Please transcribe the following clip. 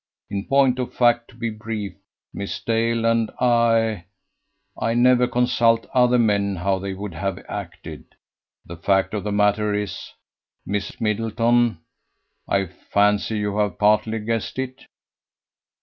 In point of fact, to be brief, Miss Dale and I ... I never consult other men how they would have acted. The fact of the matter is, Miss Middleton ... I fancy you have partly guessed it."